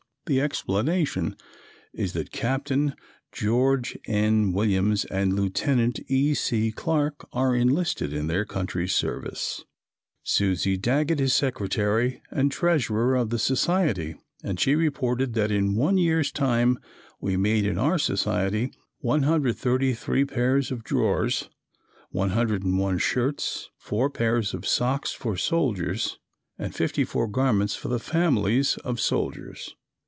The explanation is that Captain George N. Williams and Lieutenant E. C. Clarke are enlisted in their country's service. Susie Daggett is Secretary and Treasurer of the Society and she reported that in one year's time we made in our society 133 pairs of drawers, 101 shirts, 4 pairs socks for soldiers, and 54 garments for the families of soldiers.